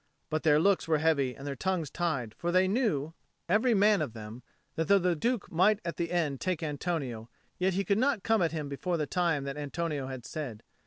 But their looks were heavy and their tongues tied, for they knew, every man of them, that though the Duke might at the end take Antonio, yet he could not come at him before the time that Antonio had said.